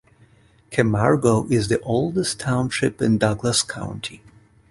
Camargo is the oldest township in Douglas County.